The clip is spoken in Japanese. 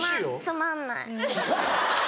つまんない。